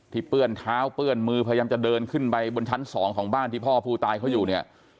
เปื้อนเท้าเปื้อนมือพยายามจะเดินขึ้นไปบนชั้นสองของบ้านที่พ่อผู้ตายเขาอยู่เนี่ย